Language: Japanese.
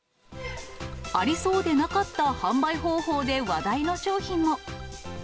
ありそうでなかった販売方法で話題の商品も。